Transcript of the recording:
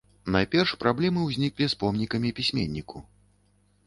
Найперш праблемы ўзніклі з помнікамі пісьменніку.